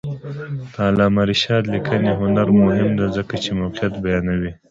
د علامه رشاد لیکنی هنر مهم دی ځکه چې موقعیت بیانوي.